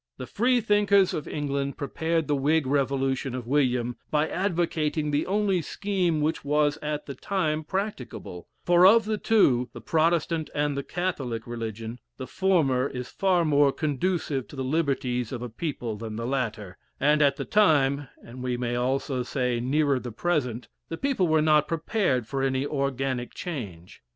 The Freethinkers of England prepared the Whig revolution of William, by advocating the only scheme which was at the time practicable, for of the two the Protestant and the Catholic religion the former is far more conducive to the liberties of a people than the latter, and at the time, and we may also say, nearer the present, the people were not prepared for any organic change.